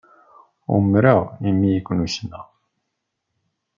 Umareɣ imi ay ken-ssneɣ.